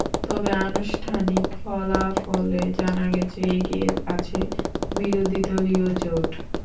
তবে অনানুষ্ঠানিক ফলাফলে জানা গেছে, এগিয়ে আছে বিরোধীদলীয় জোট।